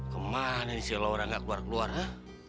kemana ini si orang ga keluar keluar ha